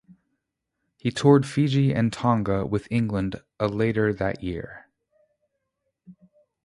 He toured Fiji and Tonga with England A later that year.